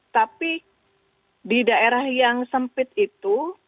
tapi di daerah yang sempit itu